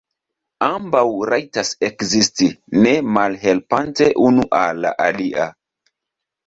Ambaŭ rajtas ekzisti, ne malhelpante unu al la alia.